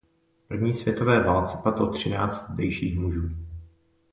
V první světové válce padlo třináct zdejších mužů.